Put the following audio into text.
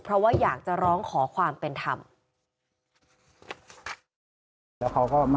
เพราะว่าอยากจะร้องขอความเป็นธรรม